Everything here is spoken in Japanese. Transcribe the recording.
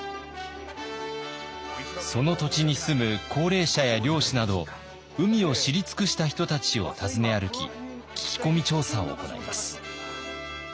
その土地に住む高齢者や漁師など海を知り尽くした人たちを訪ね歩き聞き込み調査を行います。